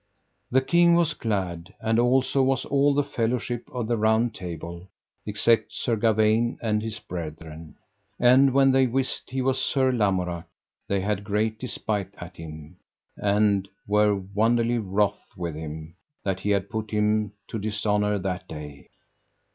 The king was glad, and also was all the fellowship of the Round Table, except Sir Gawaine and his brethren. And when they wist that he was Sir Lamorak, they had great despite at him, and were wonderly wroth with him that he had put him to dishonour that day.